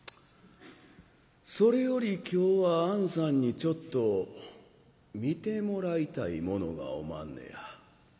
それより今日はあんさんにちょっと見てもらいたいものがおまんねや。